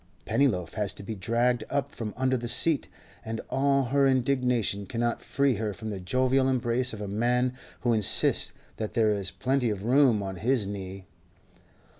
Pennyloaf has to be dragged up from under the seat, and all her indignation cannot free her from the jovial embrace of a man who insists that there is plenty of room on his knee.